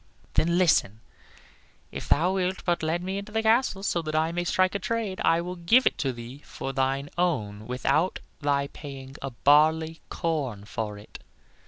"Then listen; if thou wilt but let me into the castle, so that I may strike a trade, I will give it to thee for thine own without thy paying a barley corn for it."